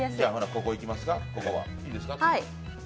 ここいきますか。